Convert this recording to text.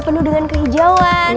penuh dengan kehijauan